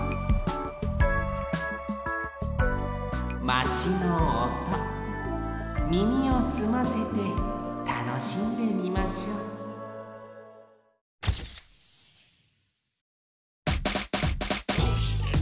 マチのおと耳をすませてたのしんでみましょう「どうして？」